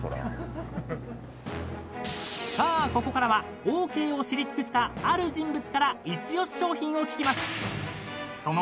［さあここからはオーケーを知り尽くしたある人物からイチオシ商品を聞きます］